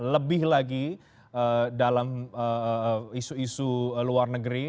lebih lagi dalam isu isu luar negeri